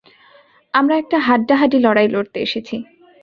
আমরা একটা হাড্ডাহাড্ডি লড়াই লড়তে এসেছি।